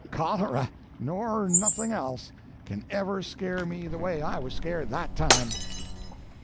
Cholera, nor nothing else, can ever scare me the way I was scared that time."